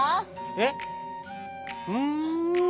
えっ？ふん。